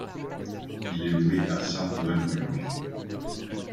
Il est voué à sainte Walburge.